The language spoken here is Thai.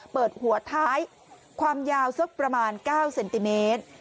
เปิดหัวท้ายความยาวสักประมาณ๙เซนติเมตร